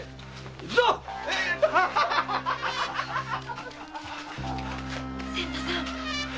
行くぜ仙太さん‼